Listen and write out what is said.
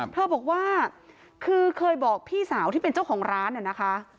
เธอบอกว่าคือเคยบอกพี่สาวที่เป็นเจ้าของร้านน่ะนะคะ